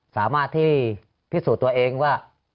สามารถที่พิสูจน์ตัวเองว่า